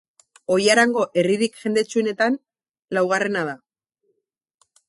Ollarango herririk jendetsuenetan laugarrena da.